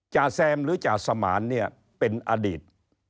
จาแซมหรือจาสมานเนี่ยเป็นอดีต